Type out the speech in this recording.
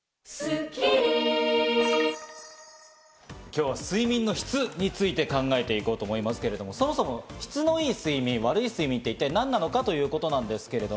今日は睡眠の質について考えて行こうと思いますけれども、そもそも質のいい睡眠、悪い睡眠って一体何なのかということなんですけど。